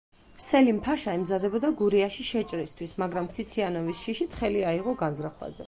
სელიმ-ფაშა ემზადებოდა გურიაში შეჭრისთვის, მაგრამ ციციანოვის შიშით ხელი აიღო განზრახვაზე.